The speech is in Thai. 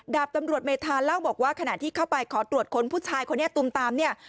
ดาบตำรวจเมธาเล่าบอกว่าขณะที่เข้าไปขอตรวจค้นผู้ชายคนนี้ตุมตามเนี่ย